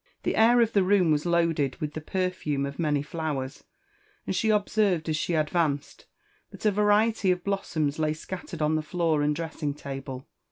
The air of the room was loaded with the perfume of many flowers, and she ob served as she advanced, that a variety of blossoms lay scattered on the floor and pressing table.